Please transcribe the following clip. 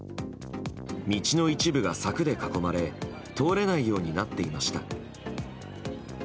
道の一部が柵で囲まれ通れないようになっていました。